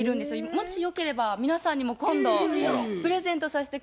もしよければ皆さんにも今度プレゼントさせて下さい。